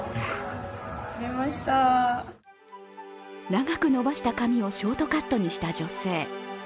長く伸ばした髪をショートカットにした女性。